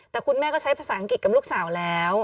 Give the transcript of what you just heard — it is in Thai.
แต่คุณแม่ก็ใช้ภาษาอังกฤษกับลูกสาวแล้ว